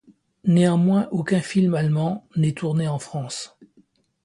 Néanmoins, aucun film allemand n'est tourné en France.